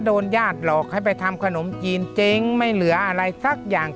ญาติหลอกให้ไปทำขนมจีนเจ๊งไม่เหลืออะไรสักอย่าง